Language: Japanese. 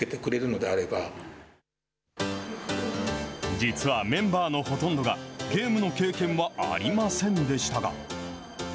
実はメンバーのほとんどが、ゲームの経験はありませんでしたが。